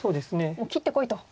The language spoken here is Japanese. もう切ってこいと。